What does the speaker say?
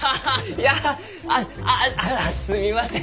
いやあああすみません。